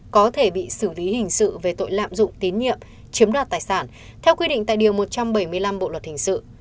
có thể bị xử lý hình sự về tội lạm dụng tín nhiệm chiếm đoạt tài sản theo quy định tại điều một trăm bảy mươi năm bộ luật hình sự